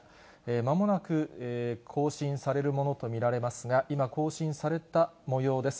まもなく更新されるものと見られますが、今、更新されたもようです。